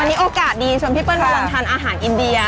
อันนี้โอกาสดีชวนพี่เปิ้ลมาลองทานอาหารอินเดีย